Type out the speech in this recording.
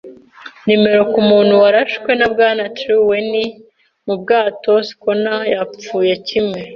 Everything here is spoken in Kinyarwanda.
nimero, kumuntu warashwe na Bwana Trelawney mu bwato schooner yapfuye kimwe